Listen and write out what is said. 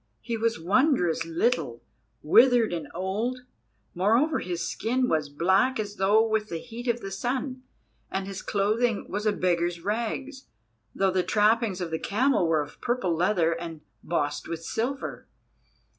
He was wondrous little, withered and old; moreover, his skin was black as though with the heat of the sun, and his clothing was as a beggar's rags, though the trappings of the camel were of purple leather and bossed with silver.